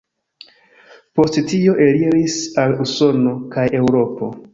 Post tio, eliris al Usono kaj Eŭropo.